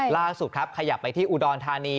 ล่าสุดครับขยับไปที่อุดรธานี